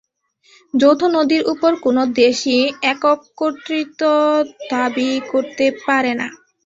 যৌথ নদীর ওপর কোনো দেশই একক কর্তৃত্ব দাবি করতে পারে না।